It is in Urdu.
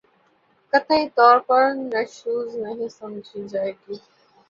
قطعی طور پر نشوزنہیں سمجھی جائے گی